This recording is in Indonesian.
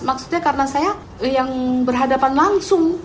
maksudnya karena saya yang berhadapan langsung